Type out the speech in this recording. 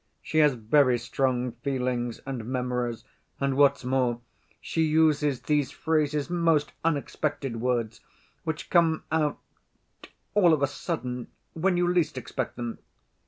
She has very strong feelings and memories, and, what's more, she uses these phrases, most unexpected words, which come out all of a sudden when you least expect them.